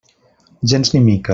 Gens ni mica.